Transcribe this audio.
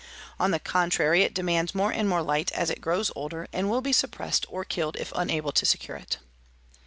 On the contrary it demands more and more light as it grows older and will be suppressed or killed if unable to secure it.